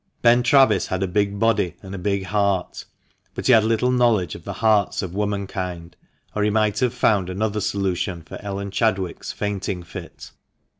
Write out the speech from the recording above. Ben Travis had a big body and a big heart, but he had little knowledge of the hearts of womankind, or he might have found another solution for Ellen Chadwick's fainting fit.